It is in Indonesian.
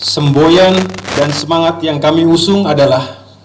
semboyan dan semangat yang kami usung adalah